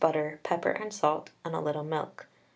butter, pepper and salt, a little milk.